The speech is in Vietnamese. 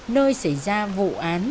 nơi xảy ra vụ án